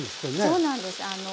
そうなんです。